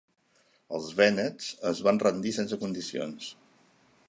Els vènets es van rendir sense condicions.